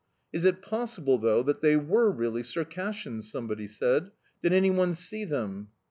"Is it possible, though, that they were really Circassians?" somebody said. "Did anyone see them?"